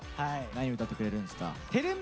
何歌ってくれるんですか？